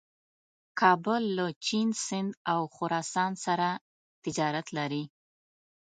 کابل له چین، سیند او خراسان سره تجارت لري.